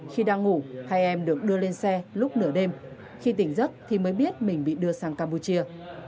khi đang ngủ hai em được đưa lên xe lúc nửa đêm khi tỉnh giấc thì mới biết mình bị đưa sang campuchia